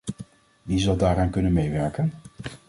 Wie zal daaraan kunnen meewerken?